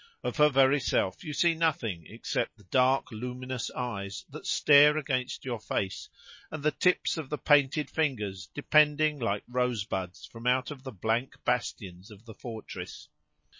Of her very self you see nothing except the dark, luminous eyes that stare against your face, and the tips of the painted fingers depending like rose buds from out of the blank bastions of the fortress.